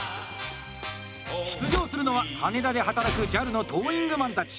出場するのは羽田で働くＪＡＬのトーイングマンたち。